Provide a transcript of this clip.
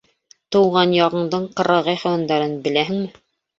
Тыуған яғыңдың ҡырағай хайуандарын беләһеңме?